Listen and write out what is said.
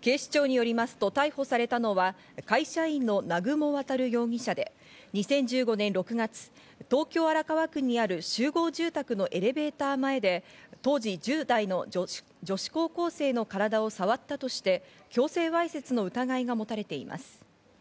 警視庁によりますと、逮捕されたのは会社員の南雲航容疑者で、２０１５年６月、東京・荒川区にある集合住宅のエレベーター前で当時１０代の女子高校生の体を触ったとして、強制わいせつの疑いが持たれています。